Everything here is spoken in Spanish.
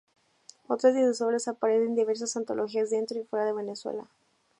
Otras de sus obras aparecen en diversas antologías dentro y fuera de Venezuela.